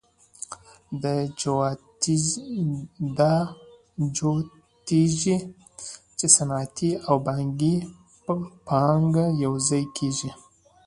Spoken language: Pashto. دا جوتېږي چې صنعتي او بانکي پانګه یوځای کېږي